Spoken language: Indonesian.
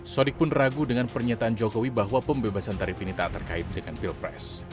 sodik pun ragu dengan pernyataan jokowi bahwa pembebasan tarif ini tak terkait dengan pilpres